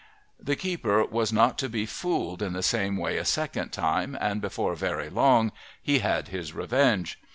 The keeper was not to be fooled in the same way a second time, and before very long he had his revenge.